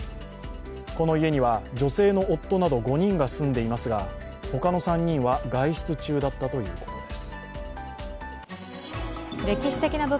この家には女性の夫など５人が住んでいますが他の３人は外出中だったということです。